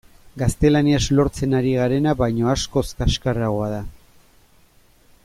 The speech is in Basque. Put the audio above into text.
Gaztelaniaz lortzen ari garena baino askoz kaxkarragoa da.